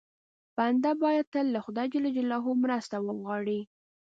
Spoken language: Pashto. بنده باید تل له خدای ج مرسته وغواړي.